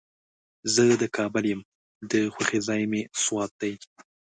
زه د کابل یم، د خوښې ځای مې سوات دی.